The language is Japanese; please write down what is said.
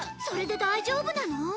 それで大丈夫なの？